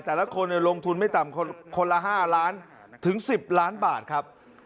แต่ละคนลงทุนไม่ต่ำคนละ๕ล้านถึง๑๐ล้านบาทครับ